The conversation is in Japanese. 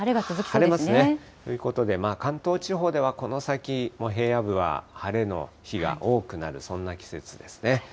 晴れますね。ということでまあ、関東地方ではこの先も平野部は晴れの日が多くなる、そんな季節ですね。